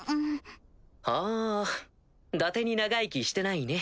はあだてに長生きしてないね。